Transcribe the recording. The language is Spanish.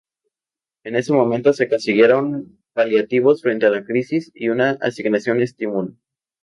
En ese momento se consiguieron paliativos frente a la crisis y una asignación estímulo.